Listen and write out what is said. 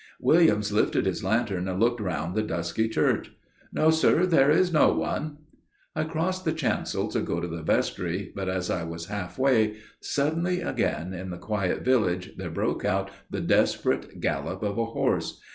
"Williams lifted his lantern and looked round the dusky church. "'No, sir; there is no one.' "I crossed the chancel to go to the vestry, but as I was half way, suddenly again in the quiet village there broke out the desperate gallop of a horse.